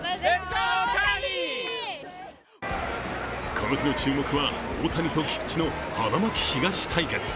この日の注目は大谷と菊池の花巻東対決。